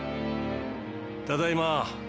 ただいま。